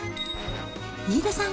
飯田さん